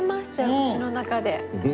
口の中で。